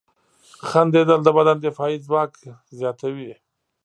• خندېدل د بدن دفاعي ځواک زیاتوي.